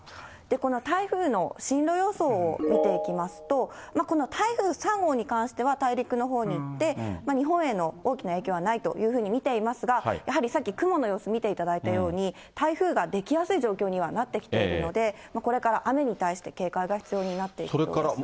この台風の進路予想を見ていきますと、この台風３号に関しては大陸のほうに行って、日本への大きな影響はないというふうに見ていますが、やはりさっき雲の様子見ていただいたように、台風が出来やすい状況にはなってきているので、これから雨に対して警戒が必要になっていきます。